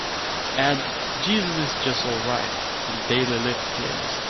Add jesus is just alright to the Daily Lift playlist.